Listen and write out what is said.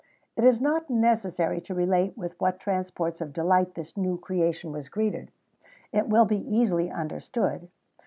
[XVII 14] It is not necessary to relate with what transports of delight this new creation was greeted; it will be easily understood.